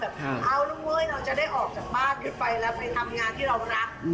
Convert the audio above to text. เอาลูกเว้ยเราจะได้ออกจากบ้านพี่ไปแล้วไปทำงานที่เรารัก